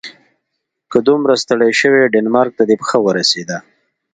که دومره ستړی شوې ډنمارک ته دې پښه ورسیده.